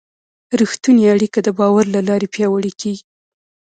رښتونې اړیکه د باور له لارې پیاوړې کېږي.